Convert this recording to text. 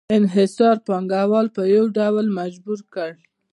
انحصار پانګوال په یو ډول مجبور کړل